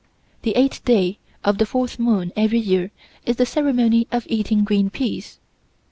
The eighth day of the fourth moon every year is the ceremony of eating green peas.